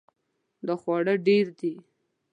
دا خواړه ډیر دي